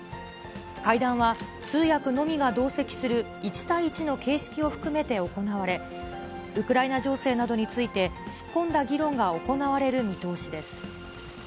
会談は通訳のみが同席する、１対１の形式を含めて行われ、ウクライナ情勢などについて、突っ込んだ議論が行われる見通しです。